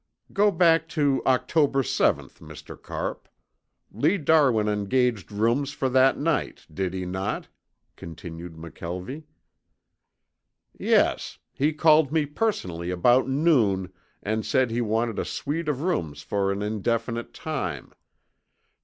"Go back to October seventh, Mr. Carpe. Lee Darwin engaged rooms for that night, did he not?" continued McKelvie. "Yes. He called me personally about noon and said he wanted a suite of rooms for an indefinite time.